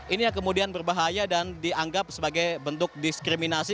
ini yang kemudian berbahaya dan dianggap sebagai bentuk diskriminasi